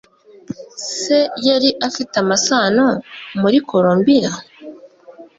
Se yari afite amasano ... muri Columbia?